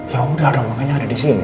ya udah makanya ada di sini